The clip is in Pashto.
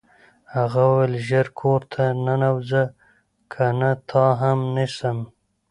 هغه وویل ژر کور ته ننوځه کنه تا هم نیسم